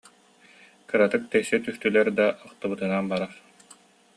Кыратык тэйсэ түстүлэр да ахтыбытынан барар